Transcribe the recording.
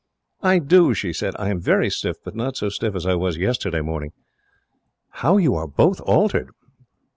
"I do," she said. "I am very stiff, but not so stiff as I was yesterday morning. How you are both altered!"